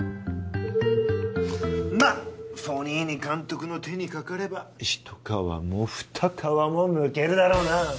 まぁフォニーニ監督の手にかかれば一皮も二皮もむけるだろうな！